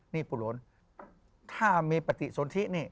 นี่ปู่โหลนถ้ามีปฏิสนทินี่